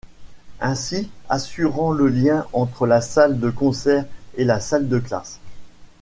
Ainsi, assurant le lien entre la salle de concert et la salle de classe.